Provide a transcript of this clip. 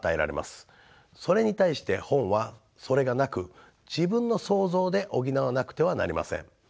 それに対して本はそれがなく自分の想像で補わなくてはなりません。